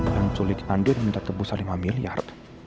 yang sulit andir minta tebusan lima miliar